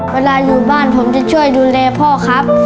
เวลาอยู่บ้านผมจะช่วยดูแลพ่อครับ